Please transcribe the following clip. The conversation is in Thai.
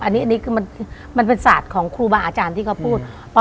อันนี้อันนี้มันมันเป็นศาสตร์ของครูบาอาจารย์ที่เขาพูดอืม